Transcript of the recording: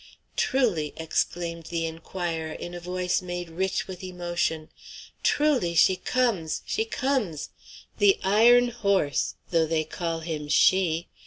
"Truly!" exclaimed the inquirer, in a voice made rich with emotion. "Truly, she comes! She comes! The iron horse, though they call him 'she'!"